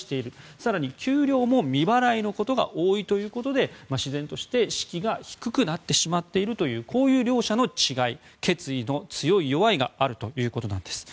更に給料も未払いのことが多いということで自然と士気が低くなってしまっているというこういう両者の違い、決意の強い弱いがあるということなんです。